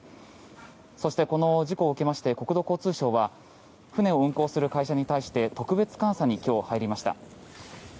そして、この事故を受けまして国土交通省は船を運航する会社に対して特別監査に今日、入りました。